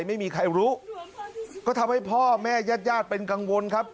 ไม่มีใครรู้ก็ทำให้พ่อแม่ญาติญาติเป็นกังวลครับ